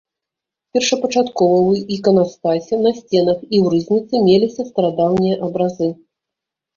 Першапачаткова ў іканастасе, на сценах і ў рызніцы меліся старадаўнія абразы.